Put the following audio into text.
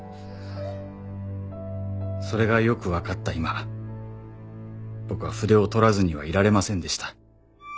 「それがよくわかった今僕は筆を取らずにはいられませんでした」